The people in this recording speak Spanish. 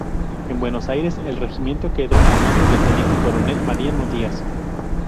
En Buenos Aires el regimiento quedó al mando del teniente coronel Mariano Díaz.